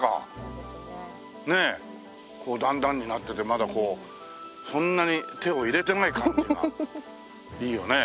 こう段々になっててまだこうそんなに手を入れてない感じがいいよね。